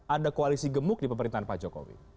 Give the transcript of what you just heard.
ada koalisi gemuk di pemerintahan pak jokowi